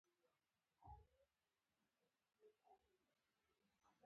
ایا ژړا نه کوي؟